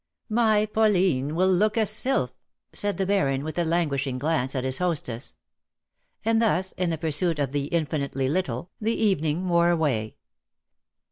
" My Pauline will look a sylph !" said the Baron, with a languishing glance at his hostess. And thus, in the pursuit of the infinitely little, 198 the evening wore away.